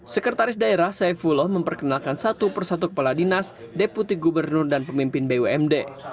sekretaris daerah saifullah memperkenalkan satu persatu kepala dinas deputi gubernur dan pemimpin bumd